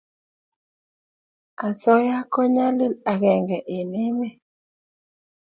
asoya ko nyalil agenge eng emet